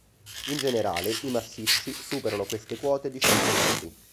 In generale, i massicci superano queste quote di cento metri.